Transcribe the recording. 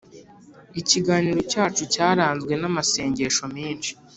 ikiganiro cyacu cyaranzwe n’amasengesho menshi